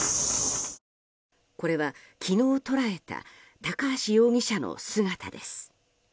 これは昨日捉えた高橋容疑者の姿です。